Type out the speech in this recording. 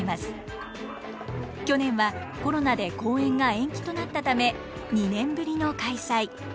去年はコロナで公演が延期となったため２年ぶりの開催。